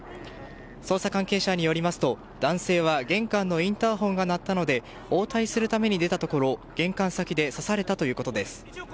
捜査関係者によりますと、男性は玄関のインターホンが鳴ったので応対するために出たところ玄関先で刺されたということです。